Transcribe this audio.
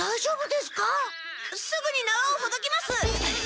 すぐになわをほどきます！